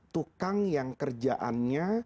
tukang yang kerjaannya